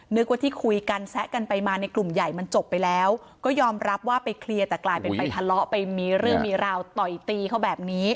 นึกว่าที่คุยกันแซะกันไปมาในกลุ่มใหญ่มันจบไปแล้วก็ยอมรับว่าไปเคลียร์แต่กลายเป็นไปทะเลาะไปมีเรื่องมีราวต่อยตีเขาแบบนี้